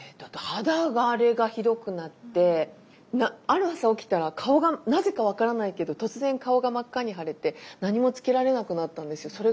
あと肌荒れがひどくなってある朝起きたら顔がなぜか分からないけど突然顔が真っ赤に腫れて何もつけられなくなったんですよ。